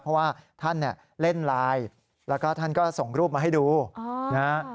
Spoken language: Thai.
เพราะว่าท่านเล่นไลน์แล้วก็ท่านส่งรูปมาให้ดู